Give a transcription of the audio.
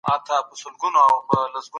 خواړه د ژوند کیفیت لوړوي.